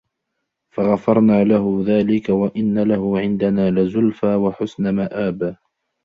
فَغَفَرْنَا لَهُ ذَلِكَ وَإِنَّ لَهُ عِنْدَنَا لَزُلْفَى وَحُسْنَ مَآبٍ